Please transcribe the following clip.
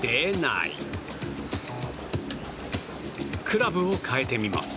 クラブを変えてみます。